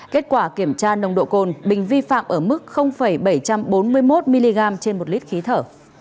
kết quả kiểm tra nồng độ cồn bình vi phạm ở mức bảy trăm bốn mươi một mg trên một lít khí thở